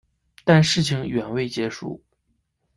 但事情远未结束。